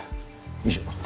以上。